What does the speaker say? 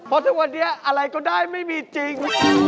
เพราะทุกวันนี้อะไรก็ได้ไม่มีจริง